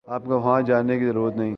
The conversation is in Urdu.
آپ کو وہاں جانے کی ضرورت نہیں